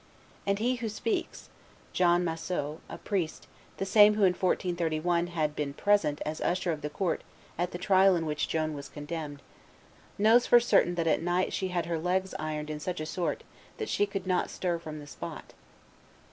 "And he who speaks [John Massieu, a priest, the same who in 1431 had been present as usher of the court at the trial in which Joan was condemned] knows for certain that at night she had her legs ironed in such sort that she could not stir from the spot.